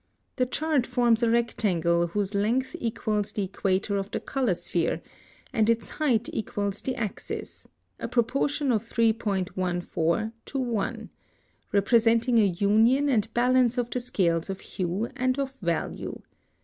The chart forms a rectangle whose length equals the equator of the color sphere and its height equals the axis (a proportion of 3.14:1), representing a union and balance of the scales of hue and of value.